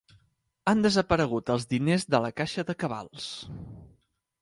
Han desaparegut els diners de la caixa de cabals.